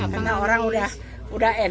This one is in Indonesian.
karena orang udah ingin